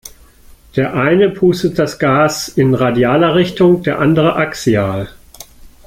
Der eine pustet das Gas in radialer Richtung, der andere axial.